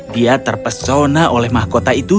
dia terpesona oleh mahkota itu